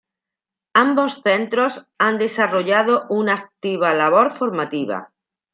Ambos centros han desarrollado una activa labor formativa.